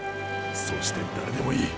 そして誰でもいい